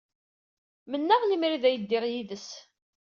Mennaɣ lemmer d ay ddiɣ yid-s.